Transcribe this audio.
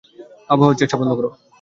বাবা হওয়ার চেষ্টা বন্ধ করো।